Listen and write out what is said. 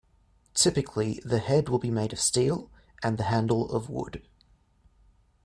Typically the head will be made of steel and the handle of wood.